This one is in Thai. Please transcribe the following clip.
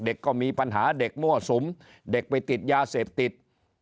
ก็มีปัญหาเด็กมั่วสุมเด็กไปติดยาเสพติด